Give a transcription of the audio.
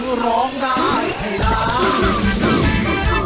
คือร้องได้ให้ร้าน